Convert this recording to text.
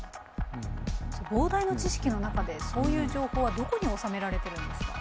膨大な知識の中でそういう情報はどこにおさめられてるんですか？